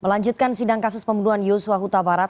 melanjutkan sidang kasus pembunuhan yosua huta barat